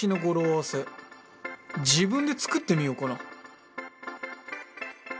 合わせ自分で作ってみようかな